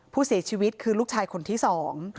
ผู้เสียชีวิตคือลูกชายคนที่สอง